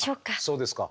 そうですか。